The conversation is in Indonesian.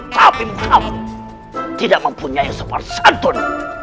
tapi kamu tidak mempunyai semua santun